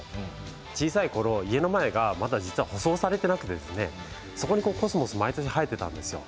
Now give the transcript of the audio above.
小さいころ家の前が舗装されていなくてコスモスが毎年生えていたんです。